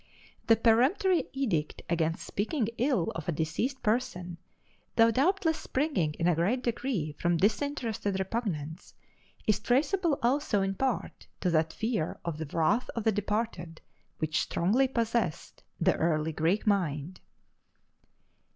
The peremptory edict against speaking ill of a deceased person, though doubtless springing in a great degree from disinterested repugnance, is traceable also in part to that fear of the wrath of the departed which strongly possessed the early Greek mind.